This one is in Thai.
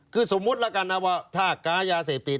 คือสมมุติแล้วกันนะว่าถ้าค้ายาเสพติด